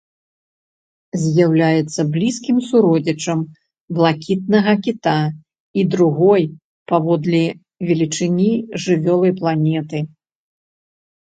З'яўляецца блізкім суродзічам блакітнага кіта і другой паводле велічыні жывёлай планеты.